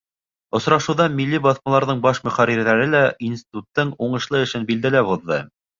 Осрашыуҙа милли баҫмаларҙың баш мөхәррирҙәре лә институттың уңышлы эшен билдәләп уҙҙы.